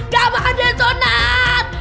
gak mau disunat